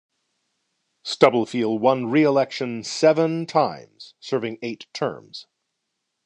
Stubblefield won re-election seven times, serving eight terms.